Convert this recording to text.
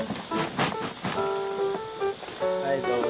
はいどうぞ。